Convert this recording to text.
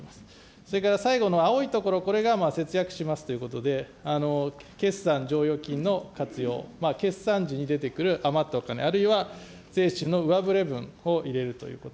それから最後の青い所、これが節約しますということで、決算剰余金の活用、決算時に出てくる余ったお金、あるいは税収の上振れ分を入れるということ。